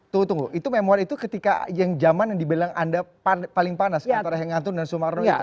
tunggu itu memoir itu ketika yang zaman yang dibilang anda paling panas antara hengantung dan sumarno itu